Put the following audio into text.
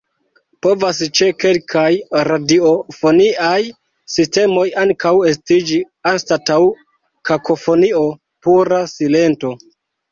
Povas ĉe kelkaj radiofoniaj sistemoj ankaŭ estiĝi, anstataŭ kakofonio, pura silento.